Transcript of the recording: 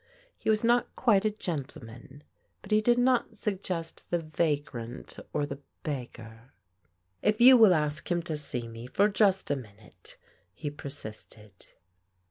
He was not quite a gentleman, but he did not sug gest the vagrant or the beggar. If you will ask him to see me for just a minute," he persisted.